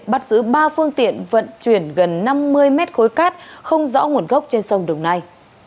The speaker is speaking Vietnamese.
bắt giữ ba phương tiện vận chuyển gần năm mươi mét khối cát không rõ nguồn gốc trên sông đồng nai